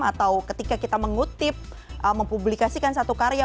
atau ketika kita mengutip mempublikasikan satu karya